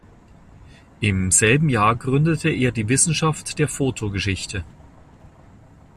Im selben Jahr gründete er die Wissenschaft der Photo Geschichte.